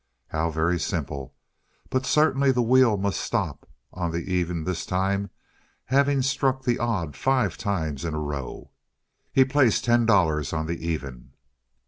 How very simple! But certainly the wheel must stop on the even this time, having struck the odd five times in a row. He placed ten dollars on the even.